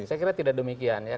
saya kira tidak demikian ya